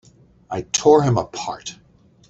I tore him apart!